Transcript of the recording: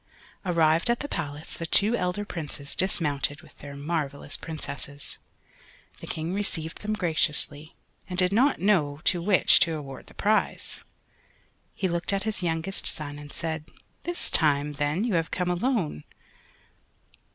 Arrived at the Palace the two elder Princes dismounted with their marvellous Princesses. The King received them graciously, and did not know to which to award the prize. He looked at his youngest son and said, "This time, then, you have come alone."